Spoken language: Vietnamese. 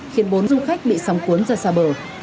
khiến bốn du khách bị sóng cuốn ra xa bờ